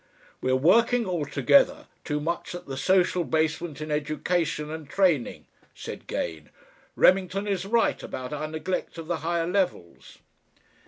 "We're working altogether too much at the social basement in education and training," said Gane. "Remington is right about our neglect of the higher levels."